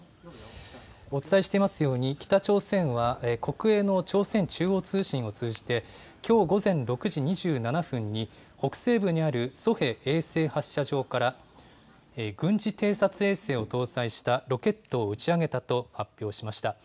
お伝えしていますように、北朝鮮は国営の朝鮮中央通信を通じて、きょう午前６時２７分に、北西部にあるソヘ衛星発射場から、軍事偵察衛星を搭載したロケットを打ち上げたと発表しました。